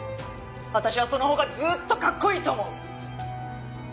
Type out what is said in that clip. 私はそのほうがずーっとかっこいいと思う！